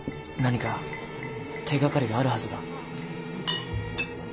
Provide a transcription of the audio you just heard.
何か手がかりがあるはずだ。